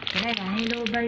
không khác gì bác sĩ